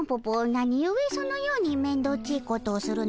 なにゆえそのようにめんどっちいことをするのじゃ？